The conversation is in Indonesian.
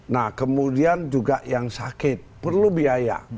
nah kemudian juga yang sakit perlu biaya